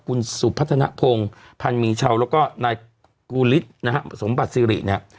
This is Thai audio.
คุณสุพัฒนภงพันมีเช่าแล้วก็นายกูฤทธิ์นะฮะสมบัติซิริเนี่ย